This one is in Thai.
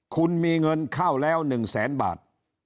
คุณมีเงินเข้าแล้ว๑แสนบาท